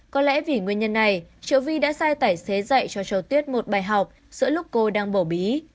có lẽ vì nguyên nhân này triệu vi đã sai tải xế dạy cho châu tuyết một bài học giữa lúc cô đang bổ bí